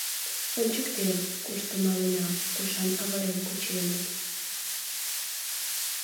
Ончыктем, кушто маленам, кушан авырен кученыт.